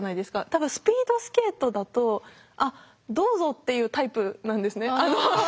多分スピードスケートだと「あっどうぞ」っていうタイプなんですね。